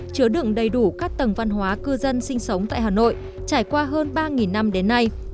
chứa đựng đầy đủ các tầng văn hóa cư dân sinh sống tại hà nội trải qua hơn ba năm đến nay